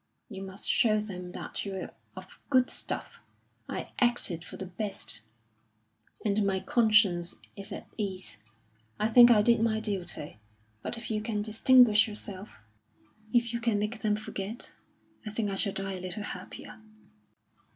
You must show them that you're of good stuff. I acted for the best, and my conscience is at ease. I think I did my duty; but if you can distinguish yourself if you can make them forget I think I shall die a little happier."